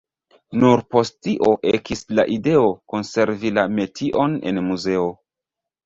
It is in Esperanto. Nur post tio ekis la ideo, konservi la metion en muzeo.